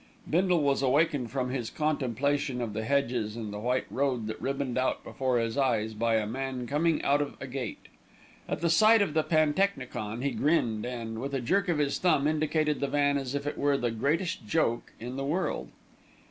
Bindle was awakened from his contemplation of the hedges and the white road that ribboned out before his eyes by a man coming out of a gate. At the sight of the pantechnicon he grinned and, with a jerk of his thumb, indicated the van as if it were the greatest joke in the world.